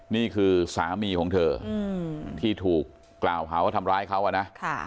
นี่คือสามีของเธอที่ถูกกล่าวหาว่าทำร้ายเขาอะนะ